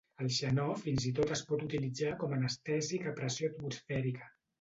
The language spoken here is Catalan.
El xenó fins i tot es pot utilitzar com a anestèsic a pressió atmosfèrica.